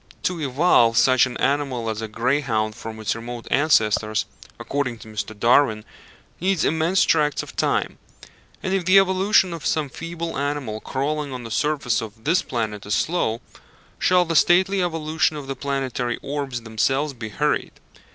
To evolve such an animal as a greyhound from its remote ancestors, according to Mr. Darwin, needs immense tracts of time; and if the evolution of some feeble animal crawling on the surface of this planet is slow, shall the stately evolution of the planetary orbs themselves be hurried?